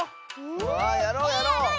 わあやろうやろう！